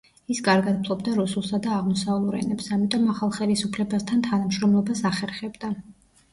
ის კარგად ფლობდა რუსულსა და აღმოსავლურ ენებს, ამიტომ ახალ ხელისუფლებასთან თანამშრომლობას ახერხებდა.